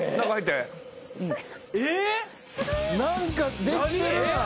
何かできてるやん。